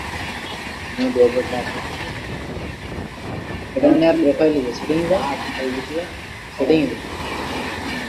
ভারত সরকার আশা করছে, ডিজেলের দাম কমানোর ফলে মূল্যস্ফীতি আরও কমানো সম্ভব হবে।